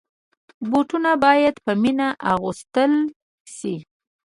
بوټونه باید په مینه اغوستل شي.